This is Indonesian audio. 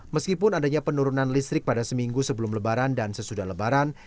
meskipun adanya penurunan listrik pada seminggu sebelum lebaran dan sesudah lebaran